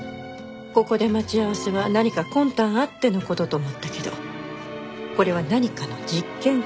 ここで待ち合わせは何か魂胆あっての事と思ったけどこれは何かの実験かしら？